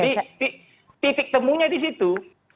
jadi titik temunya di situ